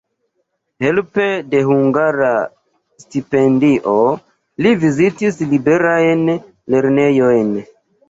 Helpe de hungara stipendio li vizitis liberajn lernejojn.